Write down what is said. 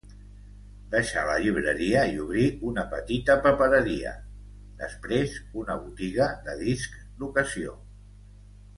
Deixà la llibreria i obrí una petita papereria, després una botiga de discs d'ocasió.